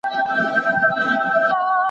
چي پخوا به یې مېړه